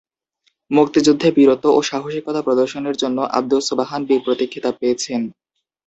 মুক্তিযুদ্ধে বীরত্ব ও সাহসিকতা প্রদর্শনের জন্য আবদুস সোবহান বীর প্রতীক খেতাব পেয়েছেন।